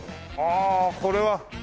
ああこれは。